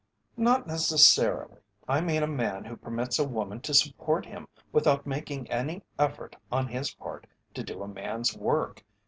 "Not necessarily. I mean a man who permits a woman to support him without making any effort on his part to do a man's work.